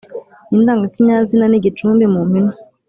indangakinyazina n’igicumbi. mu mpine